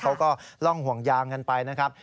กล่องห่วงยางกันไปนะครับ